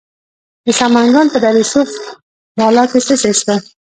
د سمنګان په دره صوف بالا کې څه شی شته؟